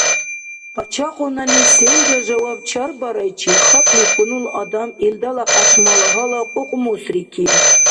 Къачагъунани селра жаваб чарбарайчи хапли хьунул адам илдала кьяшмала гьала кьукьмусрикиб.